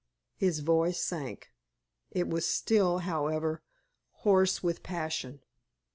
His voice sank; it was still, however, hoarse with passion.